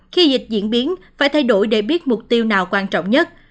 khi dịch diễn biến phải thay đổi để biết mục tiêu nào quan trọng nhất